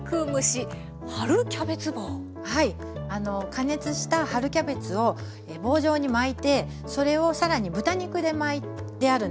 加熱した春キャベツを棒状に巻いてそれを更に豚肉で巻いてあるんですね。